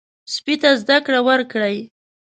سپي ته زده کړه ورکړئ.